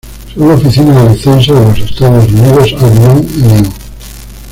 Según la Oficina del Censo de los Estados Unidos, Albion No.